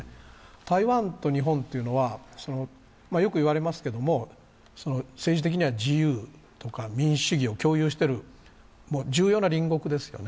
台湾と日本というのは、よく言われますけれども、政治的には自由とか民主主義を共有している重要な隣国ですよね。